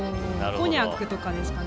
コニャックとかですかね。